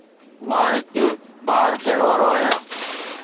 مان هڪ ٻار ٿيڻ وارو آهيان